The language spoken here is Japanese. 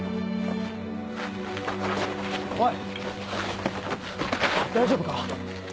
おい大丈夫か？